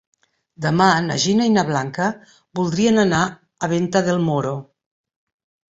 Demà na Gina i na Blanca voldrien anar a Venta del Moro.